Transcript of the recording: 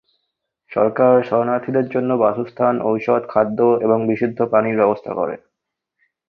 সরকার শরণার্থীদের জন্য বাসস্থান, ঔষধ, খাদ্য এবং বিশুদ্ধ পানির ব্যবস্থা করে।